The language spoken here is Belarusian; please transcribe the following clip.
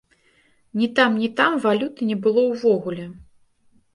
Ні там, ні там валюты не было ўвогуле.